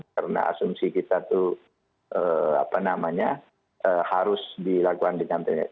karena asumsi kita itu harus dilakukan dengan tindakan